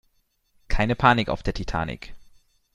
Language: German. Keine Panik auf der Titanic!